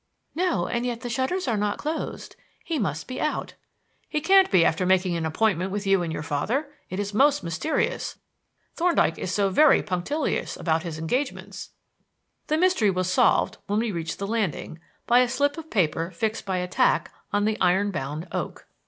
"No; and yet the shutters are not closed. He must be out." "He can't be after making an appointment with you and your father. It is most mysterious. Thorndyke is so, very punctilious about his engagements." The mystery was solved, when we reached the landing, by a slip of paper fixed by a tack on the iron bound "oak."